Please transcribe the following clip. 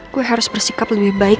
gue harus bersikap lebih baik